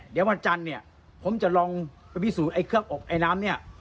เดี๋ยววันจันทร์ผมจะลองรับวิสูจน์เคื้อกอบอายน้ำ